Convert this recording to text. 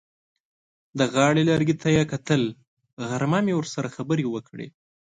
د غاړې لرګي ته یې کتل: غرمه مې ورسره خبرې وکړې.